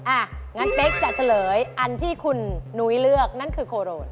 อ่ะงั้นเป๊กจะเฉลยอันที่คุณนุ้ยเลือกนั่นคือโคโรน